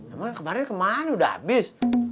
emang yang kemarin kemana udah habis